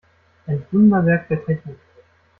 Ein Wunderwerk der Technik.